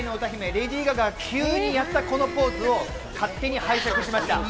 レディー・ガガが急にやったこのポーズを勝手に拝借しました。